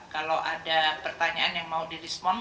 kalau ada pertanyaan yang mau di response